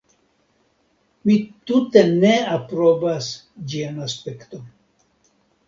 Mi tute ne aprobas ĝian aspekton.